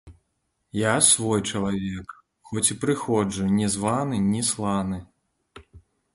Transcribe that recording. Я свой чалавек, хоць і прыходжу не званы, не сланы.